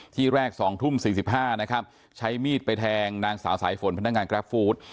ที่แรก๒ทุ่ม๔๕นะครับใช้มีดไปแทงนางสาวสายฝนพนักงานกราฟฟู้ด